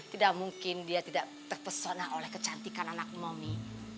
tidak mungkin dia tidak terpesona oleh kecantikan anak momi